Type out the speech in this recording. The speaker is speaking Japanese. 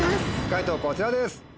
解答こちらです。